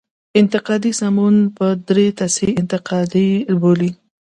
انتقادي سمون په دري تصحیح انتقادي بولي.